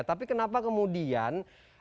tapi kenapa kemudian